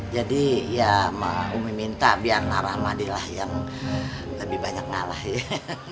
jadi ya umi minta biar naramadi lah yang lebih banyak ngalahin